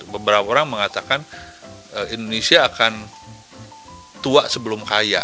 beberapa orang mengatakan indonesia akan tua sebelum kaya